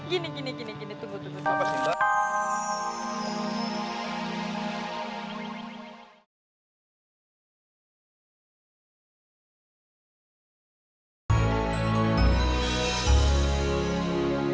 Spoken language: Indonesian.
gini gini gini gini tunggu tunggu